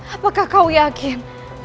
apakah kau yakin